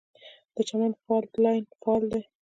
د چمن فالټ لاین فعال دی